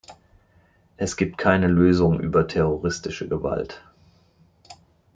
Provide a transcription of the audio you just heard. Es gibt keine Lösung über terroristische Gewalt!